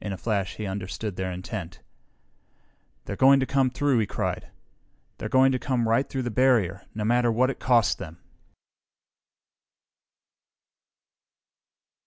In a flash, he understood their intent. "They're going to come through!" he cried. "They're going to come right through the barrier, no matter what it costs them!"